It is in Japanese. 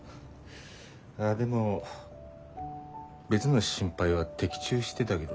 ああでも別の心配は的中してだげどな。